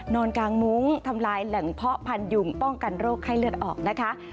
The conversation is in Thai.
นอนกลางมุ้งทำลายแหล่งเพาะพันยุงป้องกันโรคไข้เลือดออกนะคะ